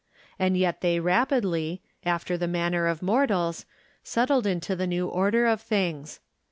And yet they rapidly, after the manner of mortals, settled into the new order of things.